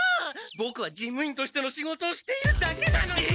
ボクは事務員としての仕事をしているだけなのに。